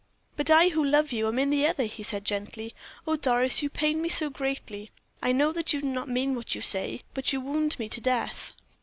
"But I who love you am in the other," he said, gently. "Oh, Doris, you pain me so greatly! I know that you do not mean what you say, but you wound me to death."